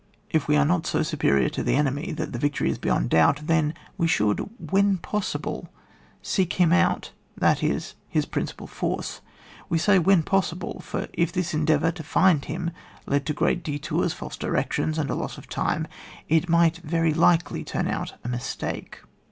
If we are not so superior to the enemy that the victory is beyond doubt, then we should, when possible, seek him out, that is his principal force. We say whn possible, for if this endeavour to find him led to great detours, false directions, and a loss of time, it might very lil^elj turn out a mistake.